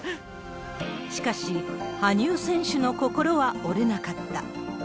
しかし、羽生選手の心は折れなかった。